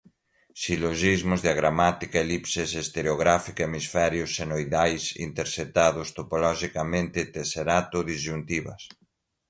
silogismos, diagramática, elipses, estereográfica, hemisférios, senoidais, intersetados, topologicamente, tesserato, disjuntivas